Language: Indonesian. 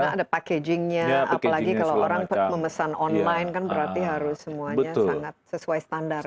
karena ada packagingnya apalagi kalau orang memesan online kan berarti harus semuanya sesuai standar ya